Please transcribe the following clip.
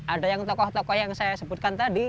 ada yang tokoh tokoh yang saya sebutkan tadi